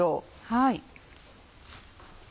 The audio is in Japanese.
はい。